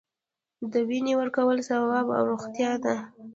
د وینې ورکول ثواب او روغتیا ده